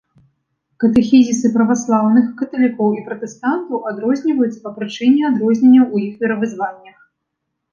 Катэхізісы праваслаўных, каталікоў і пратэстантаў адрозніваюцца па прычыне адрозненняў у іх веравызнаннях.